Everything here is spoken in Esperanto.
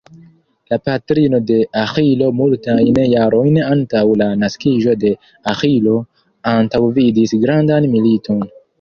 La patrino de Aĥilo multajn jarojn antaŭ la naskiĝo de Aĥilo antaŭvidis grandan militon.